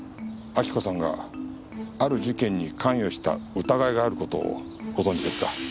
亜希子さんがある事件に関与した疑いがある事をご存じですか？